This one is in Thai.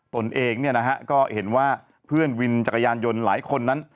ตนเองเนี่ยนะฮะก็เห็นว่าเพื่อนวินจักรยานยนต์หลายคนนั้น